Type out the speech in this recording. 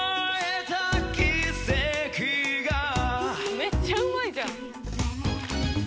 めっちゃうまいじゃん。